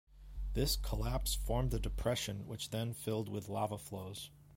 This collapse formed a depression which then filled with lava flows.